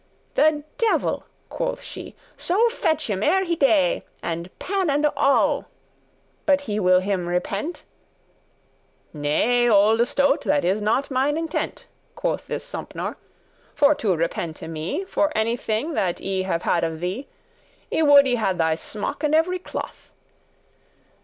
"The devil," quoth she, "so fetch him ere he dey,* *die And pan and all, but* he will him repent." *unless "Nay, olde stoat,* that is not mine intent," *polecat Quoth this Sompnour, "for to repente me For any thing that I have had of thee; I would I had thy smock and every cloth."